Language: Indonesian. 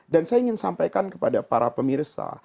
dan saya ingin sampaikan kepada para pemirsa